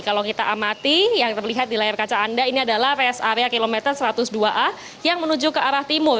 kalau kita amati yang terlihat di layar kaca anda ini adalah rest area kilometer satu ratus dua a yang menuju ke arah timur